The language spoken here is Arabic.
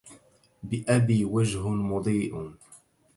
بأبي وجه مضيء